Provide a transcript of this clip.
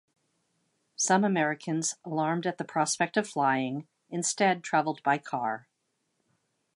Some Americans, alarmed at the prospect of flying, instead traveled by car.